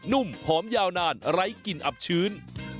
ุ่มหอมยาวนานไร้กลิ่นอับชื้น